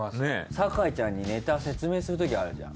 酒井ちゃんにネタ説明するときあるじゃん。